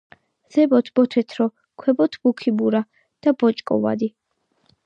ზემოთ მოთეთრო, ქვემოთ მუქი მურა და ბოჭკოვანი.